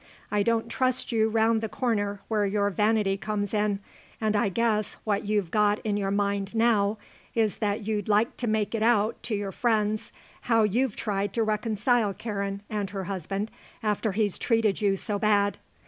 I don't trust you round the corner where your vanity comes in, and I guess what you've got in your mind now is that you'd like to make it out to your friends how you've tried to reconcile Karen and her husband after he's treated you so bad.